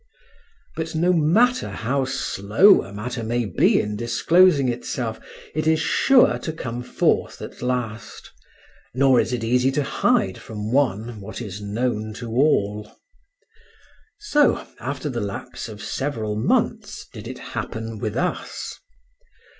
But no matter how slow a matter may be in disclosing itself, it is sure to come forth at last, nor is it easy to hide from one what is known to all. So, after the lapse of several months, did it happen with us.